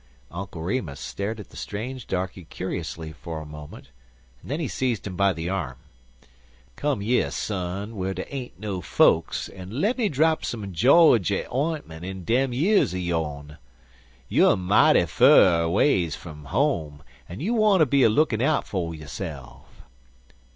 Uncle Remus stared at the strange darkey curiously for a moment, and then he seized him by the arm. "Come yer, son, whar dey ain't no folks an' lemme drap some Jawjy 'intment in dem years er yone. You er mighty fur ways fum home, an' you wanter be a lookin' out fer yo'se'f.